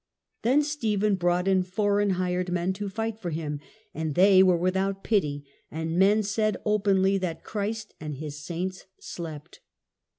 Then Stephen brought in foreign hired men to fight for him, and they were without pity, and men "said openly that Christ and His saints slept